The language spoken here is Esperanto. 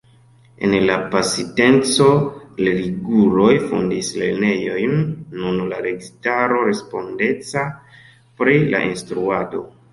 En la pasinteco religiuloj fondis lernejojn; nun la registaro respondecas pri la instruado.